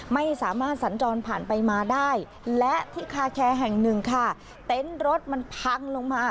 ไม่สามารถสัญจรผ่านไปมาได้และที่คาแคร์แห่งหนึ่งค่ะเต็นต์รถมันพังลงมา